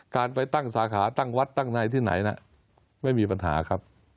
การไปตั้งสาขาตั้งวัดตั้งในที่ไหนไม่มีปัญหาครับ